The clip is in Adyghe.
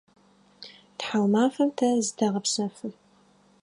Тхьаумафэм тэ зытэгъэпсэфы.